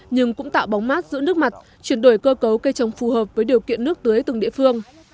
nhưng cũng tạo bóng mát giữ nước mặt chuyển đổi cơ cấu cây trồng phù hợp với điều kiện nước tưới từng địa phương